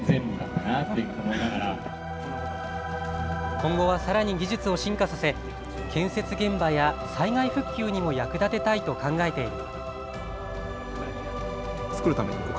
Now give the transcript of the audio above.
今後はさらに技術を進化させ建設現場や災害復旧にも役立てたいと考えている。